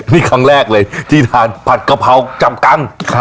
นี่ครั้งแรกเลยที่ทานผัดกะเพราจับกัง